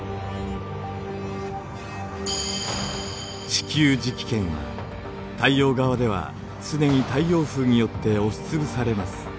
地球磁気圏は太陽側では常に太陽風によって押しつぶされます。